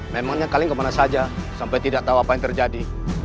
memangnya kaling kemana saja sampai tidak tahu apa yang terjadi